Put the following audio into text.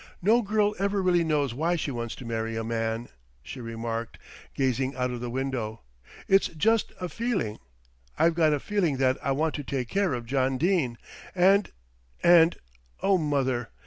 "No girl ever really knows why she wants to marry a man," she remarked, gazing out of the window. "It's just a feeling. I've got a feeling that I want to take care of John Dene, and and oh, mother!